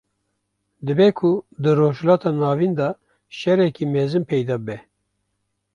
Dibe ku di rojhilata navîn de şereke mezin peyda be